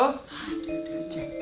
udah ada aja